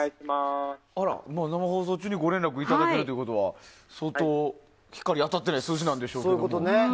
生放送中にご連絡いただけるということは相当光が当たらない数字なんでしょうけど。